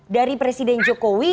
dari presiden jokowi